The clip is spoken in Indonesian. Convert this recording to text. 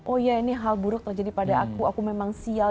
oh ya ini hal buruk terjadi pada aku aku memang sial